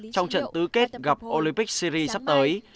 trong trận tứ kết gặp olympic series sắp tới